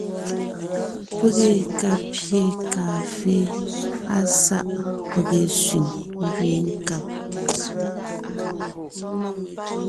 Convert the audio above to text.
Pege ka pyé kàafé á sáʼ pege sẅiŋ ngẅeen nkab.